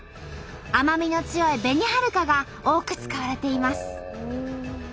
甘みの強い「紅はるか」が多く使われています。